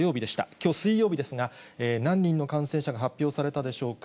きょう水曜日ですが、何人の感染者が発表されたでしょうか。